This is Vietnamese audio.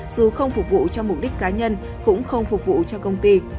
dù không phục vụ cho mục đích cá nhân cũng không phục vụ cho công ty